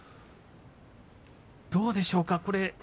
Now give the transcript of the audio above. どうでしょうか。